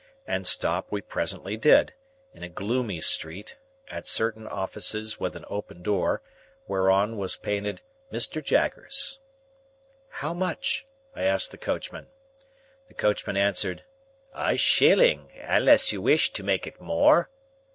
And stop we presently did, in a gloomy street, at certain offices with an open door, whereon was painted MR. JAGGERS. "How much?" I asked the coachman. The coachman answered, "A shilling—unless you wish to make it more."